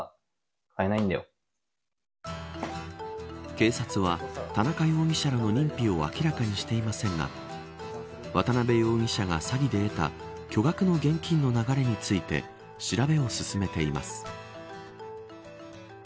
警察は田中容疑者らの認否を明らかにしていませんが渡辺容疑者が詐欺で得た巨額の現金の流れについて調べを進めています。